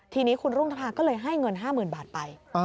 ทีนี้คุณรุ่งทภาก็เลยให้เงิน๕๐๐๐บาทไป